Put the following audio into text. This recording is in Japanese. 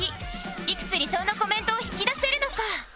いくつ理想のコメントを引き出せるのか？